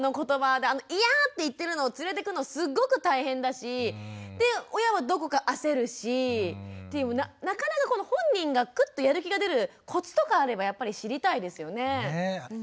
であの「いや」って言ってるのを連れてくのすっごく大変だしで親はどこか焦るしなかなか本人がクッとやる気が出るコツとかあればやっぱり知りたいですよね。